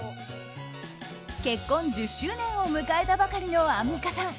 結婚１０周年を迎えたばかりのアンミカさん。